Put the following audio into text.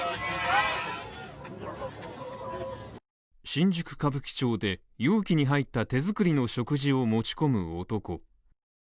新宿・歌舞伎町で容器に入った手作りの食事を持ち込む男。